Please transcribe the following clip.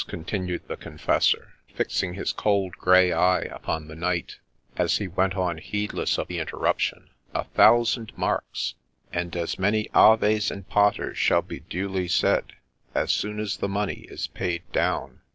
continued the Confessor, fixing his cold grey eye upon the knight, as he went on heedless of the interruption ;—' a thousand marks ! and as many Avea and Patera shall be duly said — as soon as the money is paid down.'